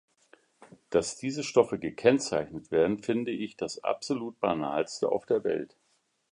Dass diese Stoffe gekennzeichnet werden, finde ich das absolut Banalste auf der Welt.